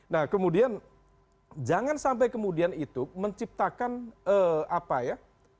nah kemudian jangan sampai kemudian itu menciptakan apa ya